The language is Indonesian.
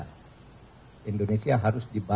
karena indonesia harus dibalaskan